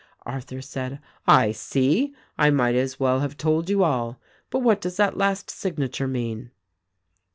Arthur said, "I see! I might as well have told you all. But what does that last signature mean?"